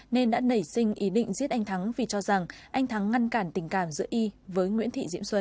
nên đã nảy sinh ý định giết anh thắng vì cho rằng anh thắng ngăn cản tình cảm giữa y với nguyễn thị diễm xuân